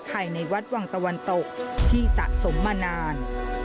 ภายในวัดวังตะวันตกที่สะสมมานาน